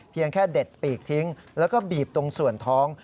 แค่เด็ดปีกทิ้งแล้วก็บีบตรงส่วนท้อง